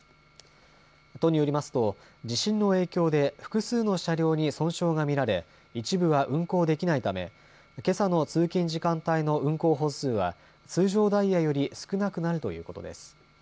都によりますと地震の影響で複数の車両に損傷が見られ一部は運行できないためけさの通勤時間帯の運行本数は通常ダイヤより少なくなるということです。